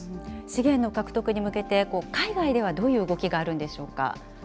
資源の獲得に向けて、海外ではどういう動きがあるんでしょう